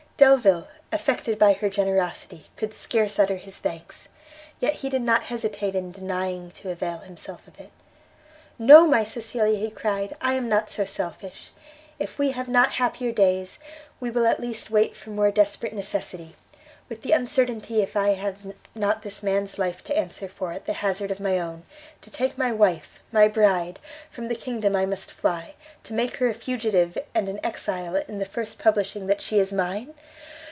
Delvile, affected by her generosity, could scarce utter his thanks; yet he did not hesitate in denying to avail himself of it; "No, my Cecilia," he cried, "I am not so selfish. If we have not happier days, we will at least wait for more desperate necessity. With the uncertainty if I have not this man's life to answer for at the hazard of my own, to take my wife my bride, from the kingdom I must fly! to make her a fugitive and an exile in the first publishing that she is mine!